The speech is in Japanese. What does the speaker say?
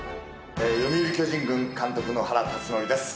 読売巨人軍監督の原辰徳です。